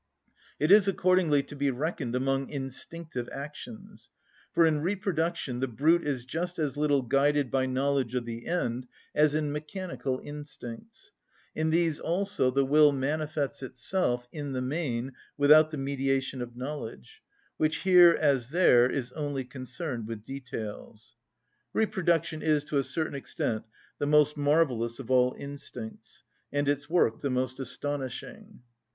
It is accordingly to be reckoned among instinctive actions. For in reproduction the brute is just as little guided by knowledge of the end as in mechanical instincts; in these also the will manifests itself, in the main, without the mediation of knowledge, which here, as there, is only concerned with details. Reproduction is, to a certain extent, the most marvellous of all instincts, and its work the most astonishing.